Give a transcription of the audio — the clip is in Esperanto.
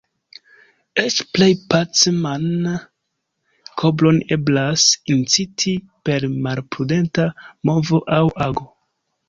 Eĉ plej paceman kobron eblas inciti per malprudenta movo aŭ ago.